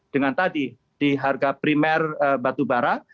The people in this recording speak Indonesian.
dengan tadi di harga primer batubara